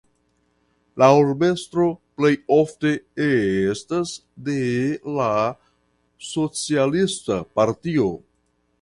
La urbestro plej ofte estas de la socialista partio.